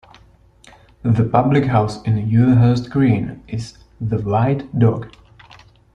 The public house in Ewhurst Green is "The White Dog".